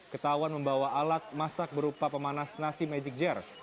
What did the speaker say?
ketahuan membawa alat masak berupa pemanas nasi magic jar